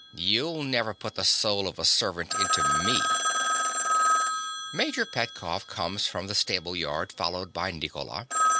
You'll never put the soul of a servant into me. (_Major Petkoff comes from the stable yard, followed by Nicola.